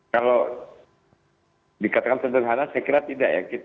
kalau dikatakan sederhana saya kira tidak ya